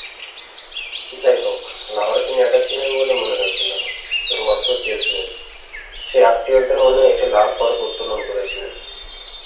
যাইহোক, লাহোরে তিনি একা ছিলেন বলে মনে হয়েছিল, এবং অর্থ চেয়েছিলেন, সেই আত্মীয়দের মনে একটি লাল পতাকা উত্তোলন করেছিলেন।